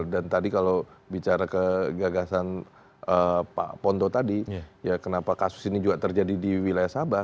dan tadi kalau bicara ke gagasan pak ponto tadi kenapa kasus ini juga terjadi di wilayah sabah